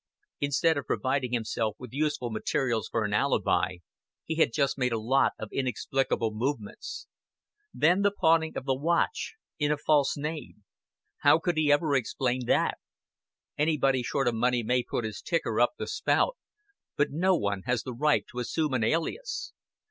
Instead of providing himself with useful materials for an alibi, he had just made a lot of inexplicable movements. Then the pawning of the watch in a false name. How could he ever explain that? Anybody short of money may put his ticker up the spout, but no one has the right to assume an alias.